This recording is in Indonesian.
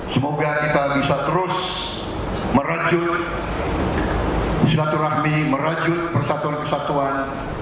semoga kita bisa terus merejut silaturahmi merajut persatuan kesatuan